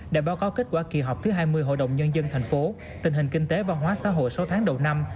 đã báo cáo kết quả kỳ họp thứ hai mươi hội đồng nhân dân thành phố tình hình kinh tế văn hóa xã hội sáu tháng đầu năm